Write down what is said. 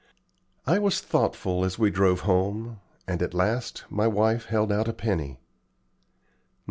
I was thoughtful as we drove home, and at last my wife held out a penny.